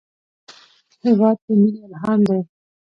هېواد د مینې الهام دی.